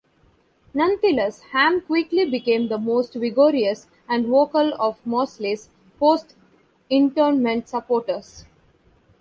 Nonetheless Hamm quickly became the most vigorous and vocal of Mosley's post-internment supporters.